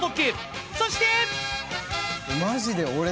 ［そして］